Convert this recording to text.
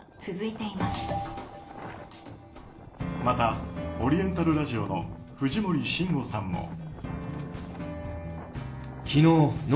また、オリエンタルラジオの藤森慎吾さんも。